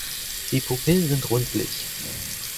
Die Pupillen sind rundlich.